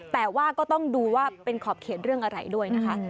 แต่ว่าก็ต้องดูว่าเป็นขอบเขตเรื่องอะไรด้วยนะคะ